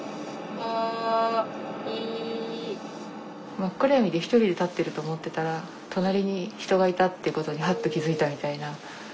真っ暗闇で１人で立ってると思ってたら隣に人がいたっていうことにハッと気付いたみたいな。